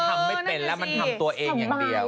ทำไม่เป็นแล้วมันทำตัวเองอย่างเดียว